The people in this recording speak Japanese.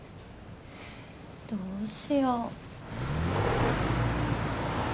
どうしよう。